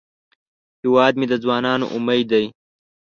هیواد مې د ځوانانو امید دی